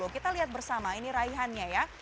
kita lihat bersama ini raihannya ya